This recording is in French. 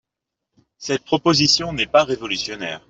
Cette proposition n’est pas révolutionnaire.